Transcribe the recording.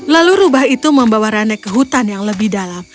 lalu rubah itu membawa rane ke hutan yang lebih dalam